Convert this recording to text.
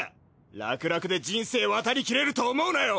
楽々で人生渡り切れると思うなよ！